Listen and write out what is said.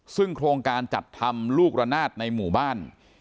ซึ่งโครงการจัดทำลูกระนาดในหมู่บ้าน